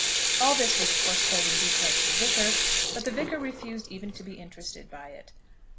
All this was of course told in detail to the Vicar; but the Vicar refused even to be interested by it.